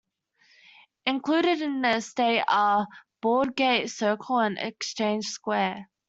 Included in the estate are Broadgate Circle and Exchange Square.